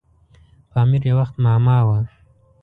پامیر یو وخت معما وه.